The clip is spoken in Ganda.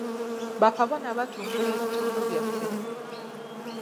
Ba Kabona batumbula ebitundu byaffe.